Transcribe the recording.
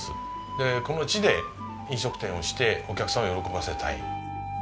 でこの地で飲食店をしてお客さんを喜ばせたい。